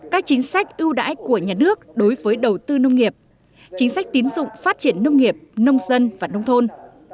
các chính sách ưu đãi của nhà nước đối với đầu tư nông nghiệp chính sách tín dụng phát triển nông nghiệp nông dân và nông thôn